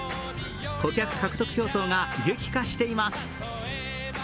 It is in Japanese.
顧客獲得競争が激化しています。